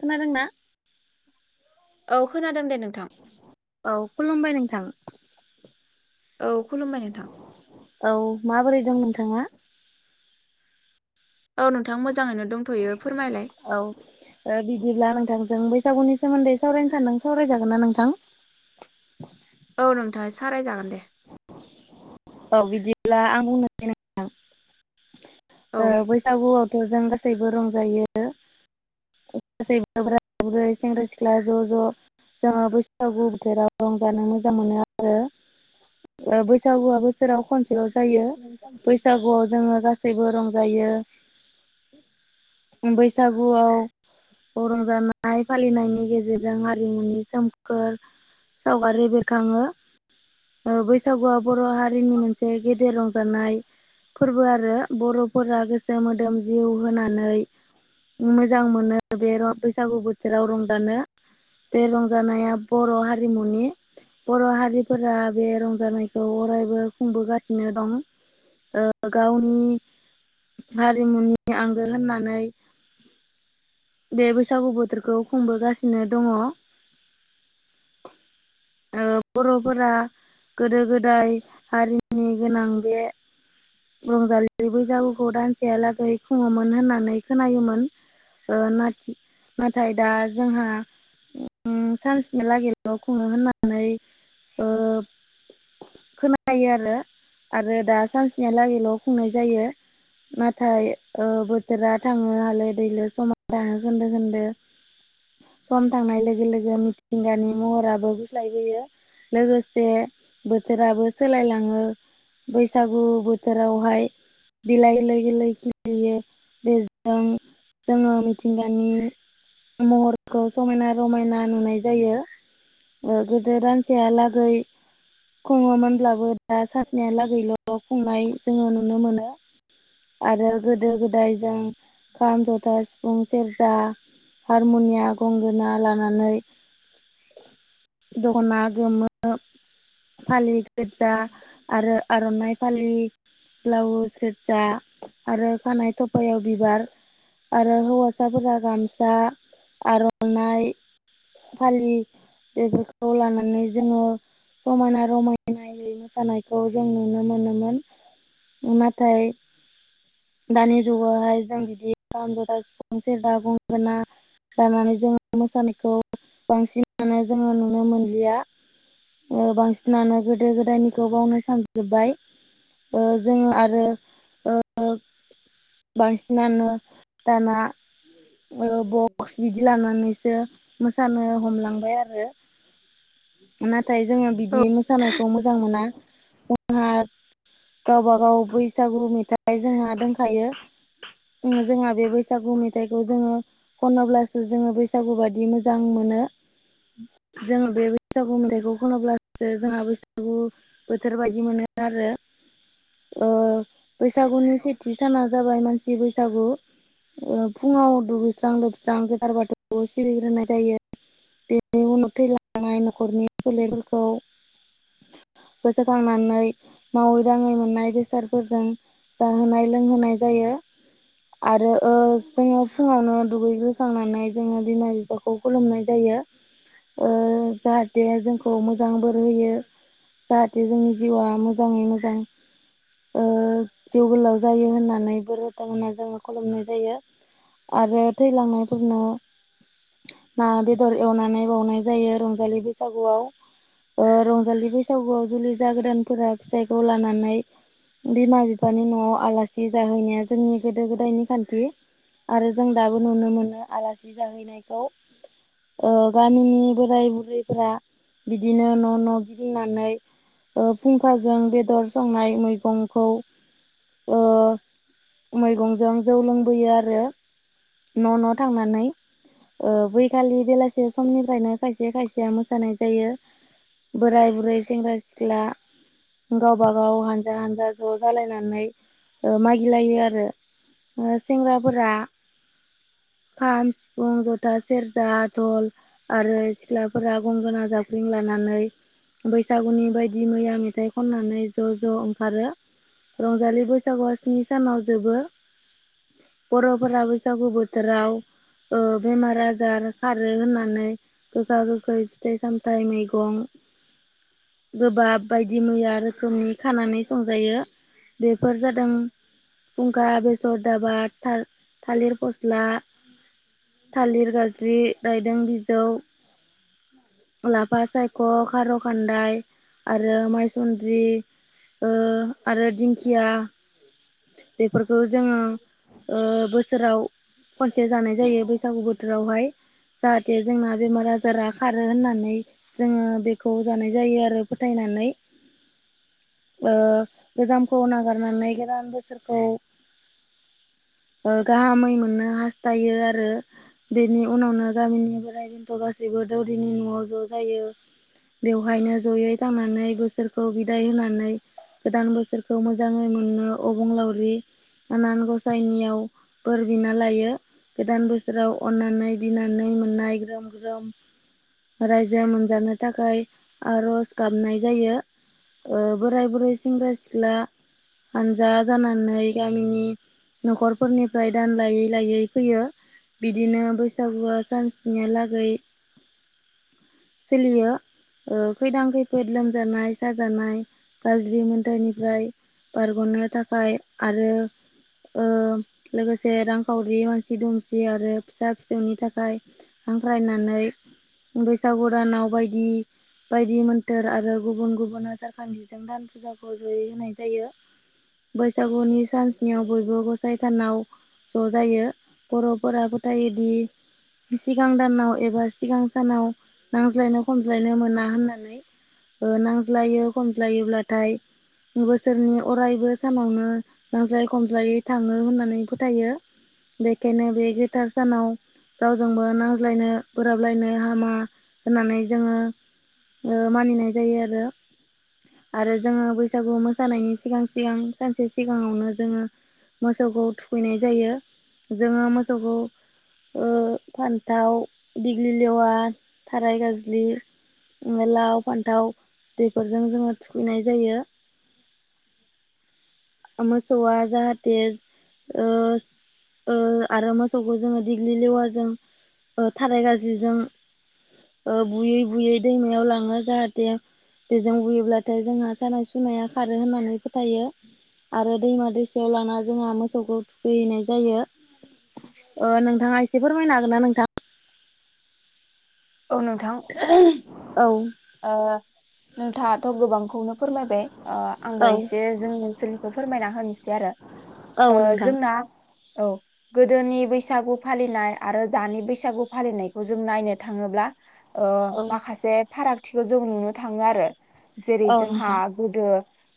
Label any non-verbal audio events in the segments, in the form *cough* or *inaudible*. खोनादों ना औ खोनादों दे नोंथां *unintelligible* औ खुलुमबाय नोंथां औ खुलुमबाय नोंथां औ माबोरै दं नोंथाङा औ नोंथां मोजाङैनो दंथ'यो फोरमायलाय औ बिदिब्ला नोंथांजों बैसागुनि सोमोन्दै सावरायनो सानदों सावरायजागोन ना नोंथां औ नोंथाङा साराय जागोन दे औ बिदिब्ला आं बुंनोसै न औ बैसागुआवथ' जों गै गासैबो रंजायो गासैबो *unintelligible* सेंग्रा सिख्ला ज' ज' जोङो बैसागु बोथोराव रंजानो मोजां मोनो आरो बैसागुआबो सेराव खनसेल' जायो बैसागुआव जोङो गासैबो रंजायो बैसागुआव रंजानाय फालिनायनि गेजेरजों आरारिमुनि सोमखोर सावगारि बेरखाङो बैसागुआ बर' हारि हारिनि मोनसे गेदेर रंजानाय फोरबो आरो बर'फोरा गोसो मोदोम जिउ होनानै मोजां मोनो बे बैसागु बोथोराव रंजानो बे रंजानाया बर' हारिमुनि बर' हारिफोरा बे रंजानायखौ अरायबो माव खुंबोगासिनो दं गावनि हारिमुनि आंगो होननानै बे बैसागु बोथोरखौ खुंबोगासिनो दंङ बर'फोरा गोदो गोदाय हारिनि गोनां बे रंजालि बैसागुखौ दानसेयालागै खुङोमोन होननानै खोनायोमोन नाथाय दा जोंहा सानसेनिलागिर खुनो होननानै जायो आरो आरो दा सानसेनिलागैल' खुंनाय जायो नाथाय बोथोरा थाङो हालो दैलो समान थाङो खोनदो खोन्दो सम थांनाय लोगो लोगो मिथिंगानि महराबो गुस्लायबोयो लोगोसे बोथोराबो सोलायलाङो बैसागु बोथोरावहाय बिलाइ लाय गलायखियो बेजं जोङो मिथिंगानि महरखौ समायना रमायना नुनाय जायो गोदो रानसेया लागै खुङोन अब्लाबो दा सानसनायहालागैल' खुंनाय जोङो नुनो मोनो आरो गोदो गोदाय जों खाम जथा सिफुं सेरजा हारमुनिया गंगोना लानानै दना गोमो फालि गोरजा आरो आर'नाइ फालि ब्लाउस सेरजा आरो खानायाइ थफायाव बिबार आरो हौवासाफोरा गामसा आर'नाइ फालि बेफोरखौ लानानै जोङो समायना रमायना नायै मोसानायखौ जों नुनो मोनोमोन नाथाय दानि जुगावहाय जों लानानै जोङो मोसानायखौ बांसिनानो जोङो नुनो मोनलिया बांसिनानो गोदो गोदायनिखौ बावनो सानजोब्बाय ओ जोङो आरो ओ बांसिनानो दाना ओ बक्स बिदि लानानैसो मोसानो हमलांबाय आरो नाथाय जोङो औ बिदि मोसानायखौ मोजां मोना जोंहा गावबागाव बैसागु मेथाइ जोंहा दोंखायो *inaudible* खनोब्लासो जोङो बैसागु बायदि मोजां मोनो जोङो बे बैसागु मेथाइखौ खोनाब्लासो जोंहा बैसा गु बोथोर बायदि मोनो आरो ओ बैसागुनि सेथि साना जाबाय मानसि बैसागु ओ फुङाव दुगैस्रां लोबस्रां गोथार बाथौखौ सिबिग्रोनाय जायो बेनि उनाव थैलांनाय न'खरनि फोलेरफोरखौ गोसोखांनानै मावै दाङै मोननाय बेसादफोरजों जाहोनाय लोंहोनाय जायो आरो ओ जोङो फुङावनो दुगैग्रोखांनानै जोङो बिमा बिफा खौ खुलुमनाय जायो ओ जाहाथे जोंखौ मोजां बोर होयो जाहाथे जोंनि जिउआ मोजाङै मोजां ओ जिउ गोलाव जायो होननानै बोर होथों होननानै जों खुलुमनाय जायो आरो थैलांनायफोरनो ना बेदर एवनानै बावनाय जायो रंजालि बैसागुआव ओ रं जालि बैसागुआव जुलि जागोदानफोरा फिसाइखौ लानानै बिमा बिफानि न'आव आलासि जाहैनाया जोंनि गोदो गोदायनि खान्थि आरो जों दाबो नुनो मोनो आलासि जाहैनायखौ ओ गामिनि बोराय बुरैफ्रा बिदिनो न' न' गि दिंनानै ओ फुंखाजों बेदर संनाय मैगंखौ ओ मैगंजों जौ लोंबोयो आरो न' न' थांनानै ओ बैखालि बेलासे समनिफ्रायनो खायसे खायसेया मोसानाय जायो बोराय बुरै सेंग्रा सिख्ला गावबा गाव हानजा हानजा ज' जालायनानै ओ मागिलायो आरो ओ सेंग्राफोरा खाम सिफुं जथा सेरजा धल आरो सिख्लाफोरा गंगोना जाबख्रिं लानानै बैसागुनि बायदि मैया मेथाइ खननानै ज' ज' ओंखारो रंजालि बैसागुआ स्नि सानाव जोबो बर'फोरा बैसागु बोथोराव ओ बेमार आजार खारो होननानै गोखा गोखै फिथाइ सामथाइ मैगं गोबाब बायदि मैया रोखोमनि खानानै संजायो बेफोर जादों फुंखा बेसर दाबा थाल थालिर फस्ला थालिर गाज्रि रायदों बिजौ लाफा साय ख' खार' खान्दाय आरो माइसुन्द्रि ओ आरो दिंखिया बेफोरखौ जोङो ओ बोस सोराव खनसे जानाय जायो बैसागो बोथोराव हाय जाहाथे जोंना बेमार आजारा खारो होननानै जोङो बेखौ जानाय जायो आरो फोथायनानै ओ गोजामखौ नागारनानै गोदान बोसोरखौ ओ गाहामै मोननो हास्थायो आरो बेनि उनावनो गामिनि बोराय बेन्थ' गासैबो दौरैनि न'आव ज' जायो। बेवहायनो जयै थांनानै बोसोरखौ बिदाय होनानै गोदान बोसोरखौ मोजाङै मोनो अबंलावरि आनान गसाइनियाव बोरबिना लायो। गोदान बोसोराव अन्नानै बिनानै मोननाय ग्रोम-ग्रोम रायजो जों मोनजानो थाखाय आर'ज गाबनाय जायो। ओ बोराय बुरै सेंग्रा सिख्ला हानजा जानानै गामिनि न'खरफोरनिफ्राय दान लायै-लायै फैयो। बिदिनो बैसागुआ सानस्नियालागै सोलियो। ओ खैदां खैफोद लोमजानाय साजानाय गाज्रि मोनथोरनिफ्राय बारग'नो थाखाय आरो ओ लोगोसे रांखावरि मानसि दुमसि आरो फिसा फिसौनि थाखाय हांख्रायनानै बैसागु दानाव बायदि बायदि मोन्थोर आरो गुबुन - गुबुन आसारखान्थिजों दान फुजाखौ जयै होनाय जायो। बैसागुनि सानस्नियाव बयबो गसाइ थानाव ज' जायो। बर'फोरा फोथायोदि सिगां दानाव एबा सिगां सानाव नांज्लायनो खमज्लायनो मोना होननानै। ओ नांज्लायो खमज्लायोब्लाथाय बोसोरनि अरायबो सानावनो नांज्लाय खमजायै थाङो होननानै फोथायो। बेखायनो बे गोथार सानाव रावजोंबो नांज्लायनो बोराबलायनो हा हामा होननानै जोङो ओ मानिनाय जायो आरो। आरो जोङो बैसागु मोसानायनि सिगां-सिगां सानसे सिगाङावनो जोङो मोसौखौ थुखैनाय जायो। जोङो मोसौखौ ओ फान्थाव दिग्लि लेवा थाराय गाज्लि ओ लाव फान्थाव बेफोरजों जोङो थुखैनाय जायो। मोसौवा जाहाथे ओ ओ आरो मोसौखौ जोङो दिग्लि लेवाजों थाराय गाज्लिजों ओ बुयै - बुयै दैमायाव लाङो जाहाथे बेजों बुयोब्लाथाय जोंहा सानाय सुनाया खारो होननानै फोथायो। आरो दैमा दैसायाव लाना जोंहा मोसौखौ थुखैहैनाय जायो। ओ नोंथाङा एसे फोरमायनो हागोन ना नोंथां? औ नोंथां। औ। ओ नोंथाङाथ' गोबांखौनो फोरमायबाय ओ आंबो औ एसे जोंनि ओनसोलनिखौ फोरमायना होनोसै आरो औ ओ नोंथां जोंना औ। गोदोनि बैसागु फालिनाय आरो दानि बैसागु फालिनायखौ जों नायनो थाङोब्ला ओ औ माखासे फारागथिखौ जों नुनो थाङो आरो जेरै औ जोंहा नोंथां गोदो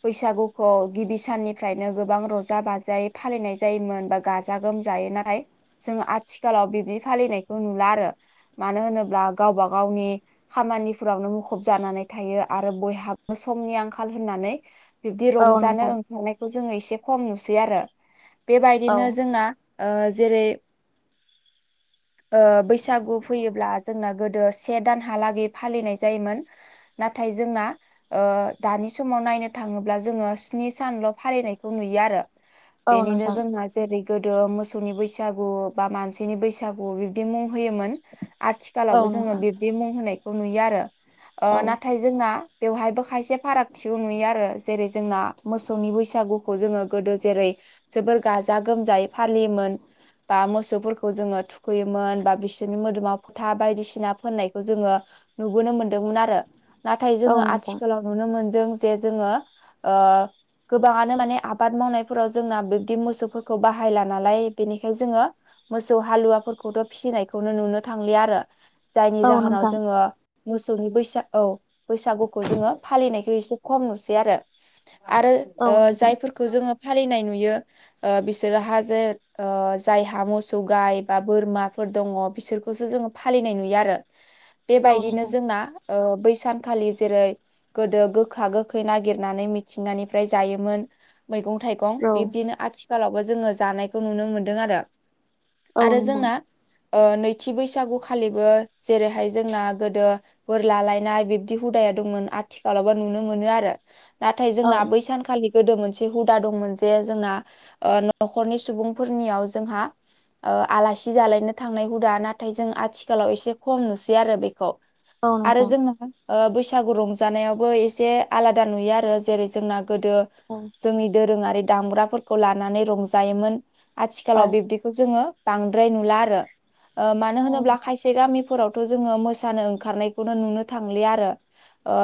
बैसागुखौ गिबि साननिफ्रायनो गोबां र'जा बाजायै फालिनाय जायोमोन बा गा जा गोमजायै नाथाय जोंङो आथिखालाव बिब्दि फालिनायखौ नुला आरो। मानो होनोब्ला गावबा गावनि खामानि फ्रावनो मुखुब जानानै थायो आरो बयहाबो समनि आंखाल होननानै बिब्दि औ रंजानो नोंथां ओंखारनायखौ जोङो इसे खम नुसै आरो औ बेबायदिनो जोंङा ओ जेरै ओ बैसागु फैयोब्ला जोंना गोदो से दानहालागै फालिनाय जायोमोन। नाथाय जोंना ओ दानि समाव नायनो थाङोब्ला जोङो स्नि सानल' फालिनायखौ नुयो आरो। औ बेनिनो नोंथां जोंहा जेरै गोदो मोसौनि बैसागु बा मानसिनि बैसागु बिबदि मुं होयोमोन। औ आथिखालावबो जोङो नोंथां बिब्दि मुं होनायखौ नुयो आरो‌। ओ औ नाथाय जोंना बेवहायबो खायसे फारागथिखौ नुयो आरो जेरै जोंना मोसौनि बैसागु जोङो गोदो जेरै जोबोर गाजा -गोमजायै फालियोमोन। बा मोसौफोरखौ जोङो थुखैयोमोन, बा बिसोरनि मोदोमाव फोथा बायदिसिना फोननायखौ जोङो नुबोनो मोनदोंमोन आरो। नाथाय जोङो औ नोंथां औ नोंथां आथिखालाव नुनो मोनदों जे जोङो ओ गोबाङानो माने आबाद मावनायफोराव जोंना बिब्दि मोसौफोरखौ बाहायला नालाय बेनिखायनो जोङो मोसौ हालुवाफोरखौथ' फिसिनायखौनो नुनो थांलिया आरो। जायनि औ जाहोनाव जोङो मोसौनि बैसाग औ बैसागुखौ जोङो फालिनायखौ खम नुसै आरो। आरो नोंथां औ जायफोरखौ ओ जोङो फालिनाय नुयो ओ बिसोरोहा जे जायहा मोसौ गाय बा बोरमाफोर दङ बिसोरखौसो जोङो फालिनाय नुयो आरो। बे बायदिनो नोंथां जोंना ओ बैसानखालि जेरै गोदो गोखा गोखै नागिरनानै मिथिंगानिफ्राय जायोमोन मैगं -थाइगं *unintelligible* औ बिब्दिनो आथिखालावबो जोङो जानायखौ नुनो मोनदों आरो। औ आरो नोंथां जोंना ओ नैथि बैसागु खालिबो जेरैहाय जोंना गोदो बोर लालायनाय बिब्दि हुदाया दंमोन। आथिखालावबो नुनो मोनो आरो। नाथाय जोंना बै सानखालि गोदो मोनसे हुदा दंमोन जे जोंना ओ न'खरनि सुबुंफोरनियाव जोंहा आलासि जालायनो थांनाय हुदा नाथाय जों आथिखालाव एसे खम नुसै आरो बेखौ औ आरो नोंथां जोङो ओ बैसागु रंजानायावबो एसे आलादा नुयो आरो। जेरै जोंना गोदो औ जोंनि दोरोङारि दामग्राफोरखौ लानानै रंजायोमोन। आथिखालाव बिब्दि जोङो बांद्राय नुला आरो ओ मानो औ होनोब्ला नोंथां खायसे गामि थ' जोङो मोसानो ओंखारनायखौनो नुनो थांलिया आरो।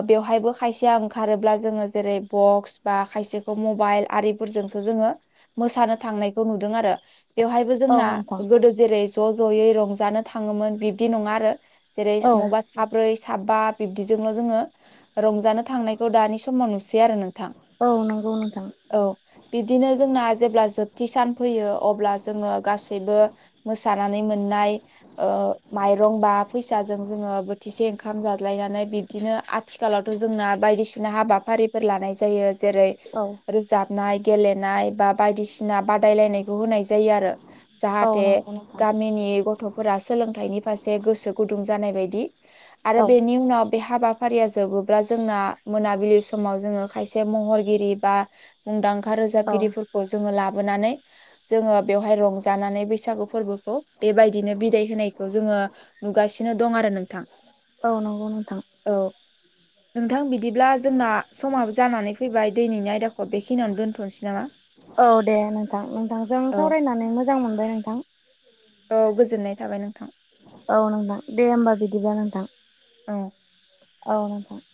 बेवहायबो खायसेया ओंखारोब्ला जोङो जेरै बक्स, बा खायसेखौ मबाइल आरि -फोरजोंसो जोङो मोसानो थांनायखौ नुदों आरो। बेवहायबो औ जोंना नोंथां गोदो जेरै ज' ज'यै रंजानो थाङोमोन बिबदि नङा आरो जेरै औ मबा साब्रै, साबा बिब्दिजोंल' जोङो रंजानो थांनायखौ दानि समाव नुसै आरो नोंथां। औ नंगौ नोंथां। औ बिब्दिनो जोंना जेब्ला जोबथि सान फैयो अब्ला जोङो गासैबो मोसानानै मोननाय ओ माइरं बा फैसाजों जोङो बोथिसे ओंखाम जालायनानै बिब्दिनो आथिखालावथ' जोंना बायदिसिना हाबाफारि *unintelligible* लानाय जायो। जेरै औ रोजाबनाय, गेलेनाय बा बायदिसिना बादायलायनायखौ होनाय जायो आरो। औ जाहाथे नंगौ नोंथां गामिनि गथ' -फोरा सोलोंथाइनि फारसे गोसो गुदुं जानाय बायदि आरो औ बेनि उनाव बे हाबा -फारिया जोबोब्ला जोंना मोनाबिलि समाव जोङो खायसे महरगिरि बा मुंदांखा औ रोजाबगिरिफोरखौ जोङो लाबोनानै जोङो बेवहाय रंजानानै बैसागु फोरबोखौ बेबायदिनो बिदाय होनायखौ जोङो नुगासिनो दं आरो नोंथां। औ नंगौ नोंथां औ नोंथां बिदि बिदिब्ला जोंना समाबो जानानै फैबाय दिनैनि आयदाखौ बेखिनियाव दोन्थ'नोसै नामा? औ दे। नोंथां नोंथांजों औ सावराय मोजां मोनबाय नोंथां। औ गोजोननाय थाबाय नोंथां। औ नोंथां, दे होमबा बिदिब्ला नोंथां औ औ नोंथां।